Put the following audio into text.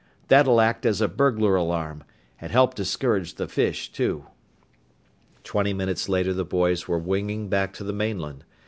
That'll act as a burglar alarm and help discourage the fish, too." Twenty minutes later the boys were winging back to the mainland.